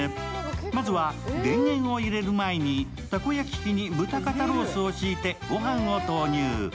まずは電源を入れる前にたこ焼き器に豚肩ロースを敷いて御飯を投入。